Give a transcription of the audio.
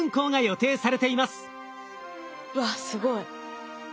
うわすごい。